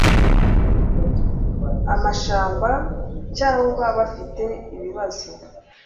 amashamba cyangwa bafite ikibazo